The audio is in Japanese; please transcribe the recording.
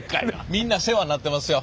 みんな世話になってますよ。